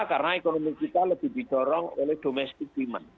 karena ekonomi kita lebih didorong oleh domestic demand